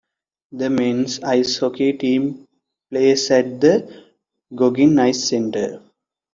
The men's ice hockey team plays at the Goggin Ice Center.